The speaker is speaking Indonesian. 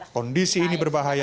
kondisi ini berbahaya